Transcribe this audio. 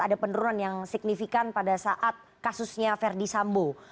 ada penurunan yang signifikan pada saat kasusnya verdi sambo